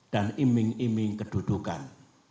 dan iming iming kedudukan